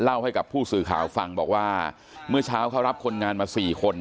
ให้กับผู้สื่อข่าวฟังบอกว่าเมื่อเช้าเขารับคนงานมา๔คน